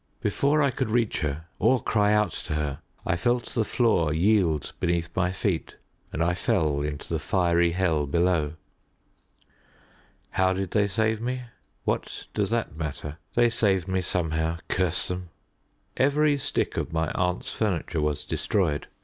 Before I could reach her, or cry out to her, I felt the floor yield beneath my feet, and I fell into the fiery hell below. How did they save me? What does that matter? They saved me somehow curse them. Every stick of my aunt's furniture was destroyed.